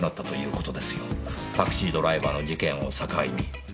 タクシードライバーの事件を境に。